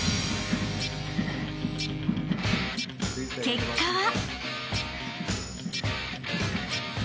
［結果は］